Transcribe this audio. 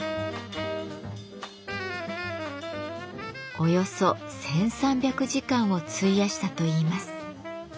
およそ１，３００時間を費やしたといいます。